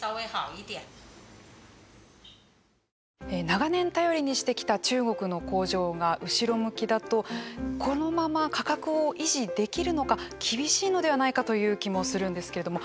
長年頼りにしてきた中国の工場が後ろ向きだとこのまま価格を維持できるのか厳しいのではないかという気もするんですけれども。